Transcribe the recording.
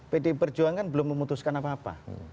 pdi perjuangan belum memutuskan apa apa